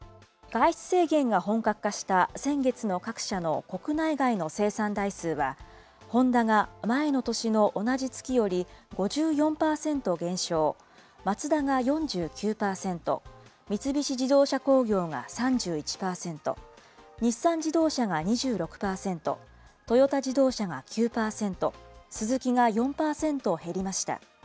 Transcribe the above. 外出制限が本格化した先月の各社の国内外の生産台数は、ホンダが前の年の同じ月より５４％減少、マツダが４９％、三菱自動車工業が３１％、日産自動車が２６％、トヨタ自動車が９％、スズキが４％減りました。